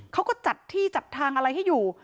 เขาก็จัดที่จัดทางอะไรให้อยู่